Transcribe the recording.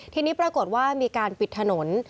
ทีนี้ปรากฏว่ามีการปิดถนน